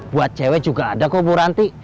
buat cewe juga ada kok buranti